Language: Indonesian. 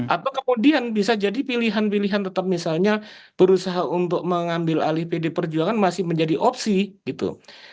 atau kemudian bisa jadi pilihan pilihan tetap misalnya berusaha untuk mengambil alih pd perjuangan masih menjadi opsi gitu